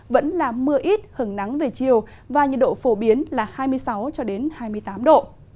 vẫn là mưa ít hứng nắng về chiều và nhiệt độ phổ biến là hai mươi sáu cho đến hai mươi tám độ